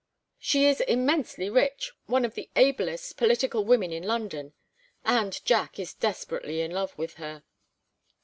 "She is immensely rich, one of the ablest political women in London, and Jack is desperately in love with her."